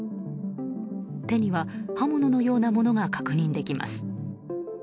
手には刃物のようなものが確認できます。